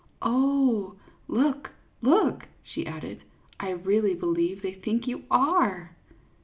Oh, look, look," she added, " I really believe they think you are